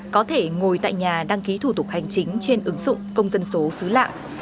có thể ngồi tại nhà đăng ký thủ tục hành chính trên ứng dụng công dân số xứ lạng